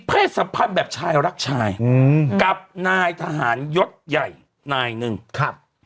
สัมพันธ์แบบชายรักชายอืมกับนายทหารยศใหญ่นายหนึ่งครับ